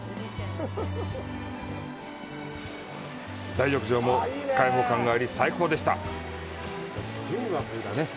大浴場も開放感があり、最高でした。